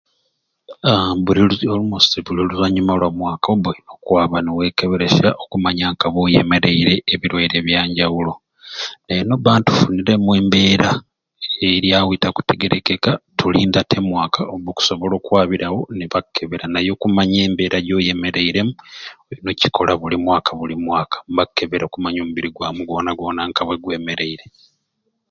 Haaa buli buli almost buli oluvanyuma lwa mwaka olina okwaba niwekeberesya nomanya nka bwoyemerere ebireire ebyanjawulo ye noba nga ofuniremu embeera eryawo etakutegerekeka tulunda te mwaka gwakalewo okusobola okwabirawo nebakukebera naye okumanya embeera gyoyemereremu nikikola buli mwaka buli mwaka mbakebera okumanya omubiri gwamu gwona gwona nkugwemerere